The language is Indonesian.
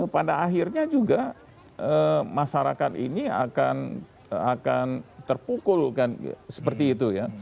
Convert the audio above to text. pada akhirnya juga masyarakat ini akan terpukul kan seperti itu ya